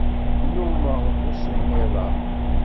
Nnumeɣ d usemmiḍ-a.